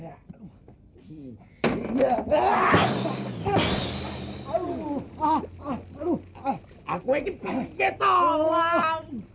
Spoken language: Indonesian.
aku ingin pergi ke tolong